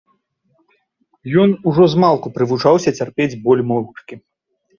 Ён ужо змалку прывучаўся цярпець боль моўчкі.